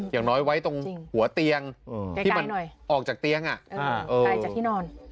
อย่างน้อยไว้ตรงหัวเตียงที่มันออกจากเตียงไกลจากที่นอน